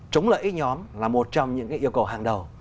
chống lợi ích nhóm là một trong những yêu cầu hàng đầu